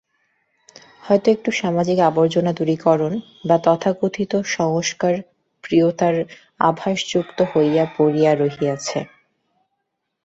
হয়তো একটু সামাজিক আবর্জনা-দূরীকরণ বা তথাকথিত সংস্কার-প্রিয়তার আভাসযুক্ত হইয়া পড়িয়া রহিয়াছে।